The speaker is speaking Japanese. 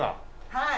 はい。